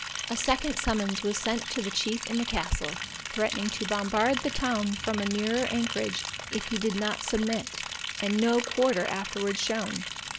A second summons was sent to the chief in the castle, threatening to bombard the town from a nearer anchorage if he did not submit, and no quarter afterwards shown.